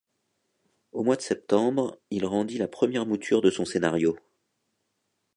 Au mois de septembre, il rendit la première mouture de son scénario.